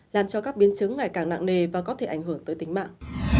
làm cho các biến chứng ngày càng nặng nề và có thể ảnh hưởng tới tính mạng